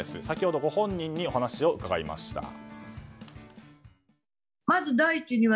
先ほどご本人にお話を伺いました。